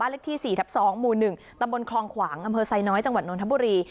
เลขที่๔ทับ๒หมู่๑ตำบลคลองขวางอำเภอไซน้อยจังหวัดนทบุรี